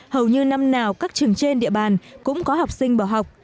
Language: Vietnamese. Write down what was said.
hầu như năm nào các trường trên địa bàn cũng có học sinh bỏ học